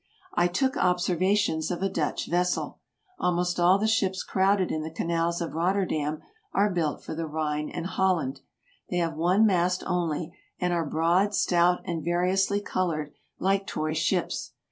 I took observations of a Dutch vessel. Almost all the ships crowded in the canals of Rotterdam are built for the Rhine and Holland; they have one mast only, and are broad, stout, and variously colored like toy ships.